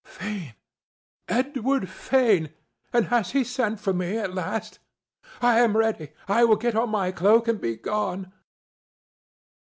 —"Fane! Edward Fane! And has he sent for me at last? I am ready. I will get on my cloak and begone.